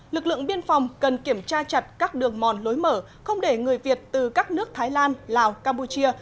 lực lượng biên phòng cần kiểm tra chặt các đường mòn lối mở không để người việt từ các nước thái lan lào campuchia